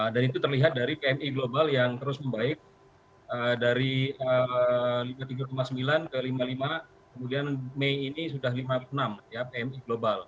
dan itu terlihat dari pmi global yang terus membaik dari tiga ratus sembilan puluh sembilan ke lima puluh lima kemudian mei ini sudah lima puluh enam ya pmi global